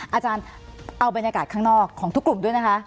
อาจารย์เอาบรรยากาศข้างนอกของทุกกลุ่มด้วยนะคะ